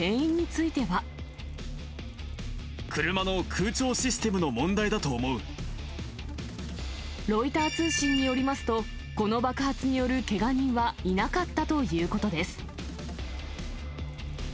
車の空調システムの問題だとロイター通信によりますと、この爆発によるけが人はいなかったということです。